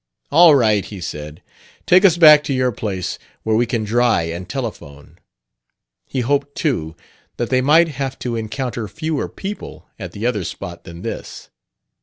"All right," he said; "take us back to your place, where we can dry and telephone." He hoped, too, that they might have to encounter fewer people at the other spot than at this.